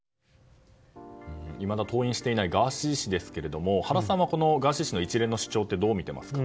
いまだ登院していないガーシー氏ですが原さんはこのガーシー氏の一連の主張をどうみています？